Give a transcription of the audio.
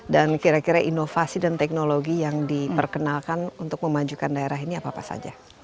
dan kira kira inovasi dan teknologi yang diperkenalkan untuk memajukan daerah ini apa apa saja